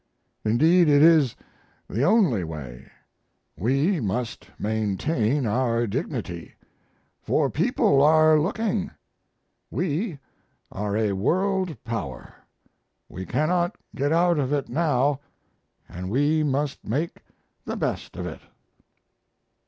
Indeed, it is the only way. We must maintain our dignity, for people are looking. We are a World Power; we cannot get out of it now, and we must make the best of it.